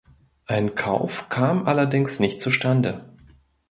Ein Kauf kam allerdings nicht zustande.